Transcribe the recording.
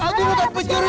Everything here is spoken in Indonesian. aku mau tar pencuri